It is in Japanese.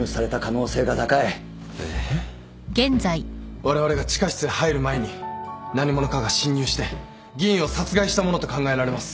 われわれが地下室へ入る前に何者かが侵入して議員を殺害したものと考えられます。